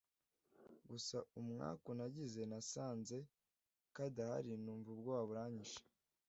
gusa umwaku nagize nasanze kadahari numva ubwoba buranyishe